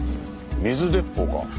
水鉄砲か。